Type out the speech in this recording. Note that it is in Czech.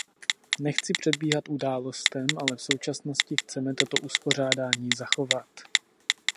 Nechci předbíhat událostem, ale v současnosti chceme toto uspořádání zachovat.